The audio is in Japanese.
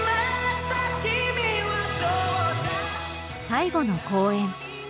最後の公演。